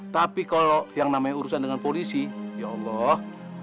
tapi kalau yang namanya urusan dengan polisi ya allah